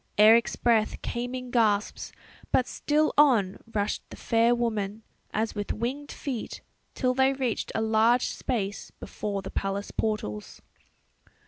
Eric's breath came in gasps; but still on rushed the fair woman, as with winged feet, till they reached a large space before the palace portals.